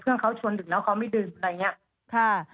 เพื่อนเขาชวนดึกแล้วเขาไม่ดื่มอะไรอย่างนี้